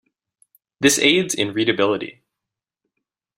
This aids in readability.